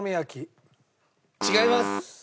違います。